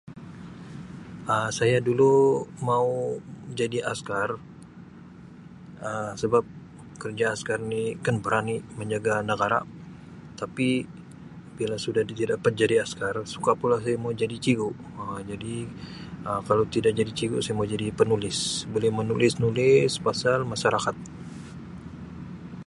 Um Saya dulu mau jadi Askar Um sebab kerja Askar ni kena berani menjaga negara tapi bila sudah tidak dapat jadi Askar suka pula saya mau jadi Cigu Um jadi kalau tidak jadi Cigu saya mau jadi Penulis boleh menulis-nulis pasal masyarakat.